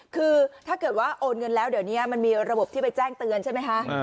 คือถ้าเกิดว่าโอนเงินแล้วเดี๋ยวนี้มันมีระบบที่ไปแจ้งเตือนใช่ไหมคะ